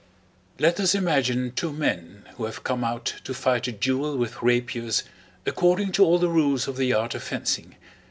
Let us imagine two men who have come out to fight a duel with rapiers according to all the rules of the art of fencing.